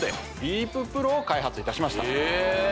ディープＰＲＯを開発いたしました